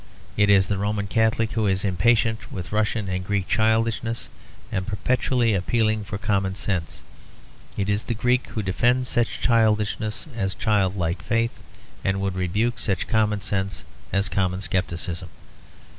It is the Roman Catholic who is impatient with Russian and Greek childishness, and perpetually appealing for common sense. It is the Greek who defends such childishness as childlike faith and would rebuke such common sense as common scepticism.